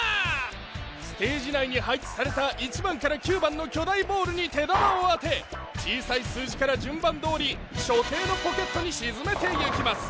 ステージ内に配置された１番から９番の巨大ボールに手玉を当て小さい数字から順番どおり所定のポケットに沈めていきます。